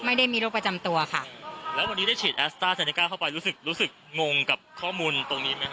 ไม่ได้มีโรคประจำตัวค่ะแล้ววันนี้ได้ฉีดแอสต้าเซเนก้าเข้าไปรู้สึกรู้สึกงงกับข้อมูลตรงนี้ไหมค